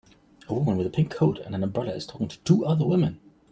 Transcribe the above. A woman with a pink coat and an umbrella is talking to two other women.